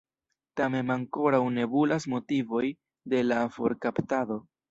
Tamen ankoraŭ nebulas motivoj de la forkaptado.